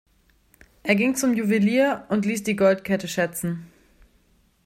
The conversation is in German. Er ging zum Juwelier und ließ die Goldkette schätzen.